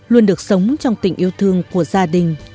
luôn được sống trong tình yêu thương của gia đình